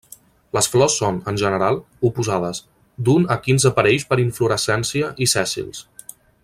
Les flors són, en general, oposades, d'un a quinze parells per inflorescència i sèssils.